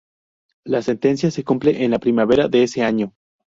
La sentencia se cumple en la primavera de ese año.